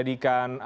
ya itu juga